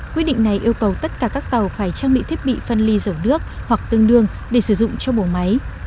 quyết định này yêu cầu tất cả các tàu phải trang bị thiết bị phân ly dầu nước hoặc tương đương để sử dụng cho bổ máy